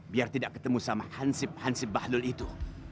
biar tidak ketemu sama hansip hansip bahdul itu